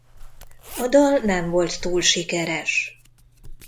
A dal nem volt túl sikeres.